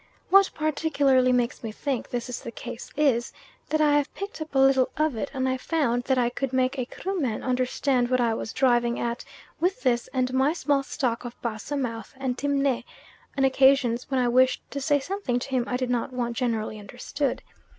What particularly makes me think this is the case is, that I have picked up a little of it, and I found that I could make a Kruman understand what I was driving at with this and my small stock of Bassa mouth and Timneh, on occasions when I wished to say something to him I did not want generally understood.